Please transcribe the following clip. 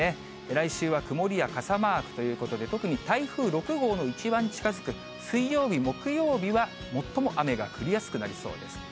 来週は曇りや傘マークということで、特に台風６号の一番近づく水曜日、木曜日はもっとも雨が降りやすくなりそうです。